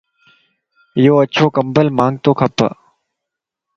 يو اڇو ڪمبل مانک تو کپا